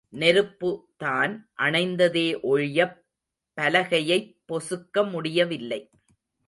நெருப்புதான் அணைந்ததே ஒழியப் பலகையைப் பொசுக்க முடியவில்லை.